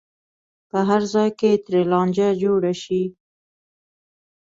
په هر ځای کې ترې لانجه جوړه شي.